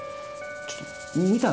ちょっと見たの？